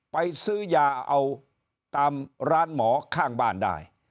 ไปซื้อยาเอาตามร้านหมอข้างบ้านได้